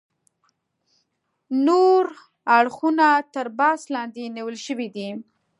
نور اړخونه تر بحث لاندې نیول شوي دي.